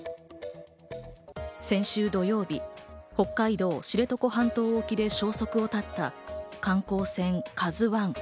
先週土曜日、北海道知床半島沖で消息を絶った観光船「ＫＡＺＵ１」。